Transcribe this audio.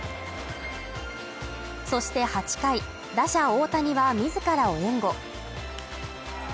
そして８回打者・大谷は自らを援護。